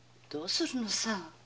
どうするのさ？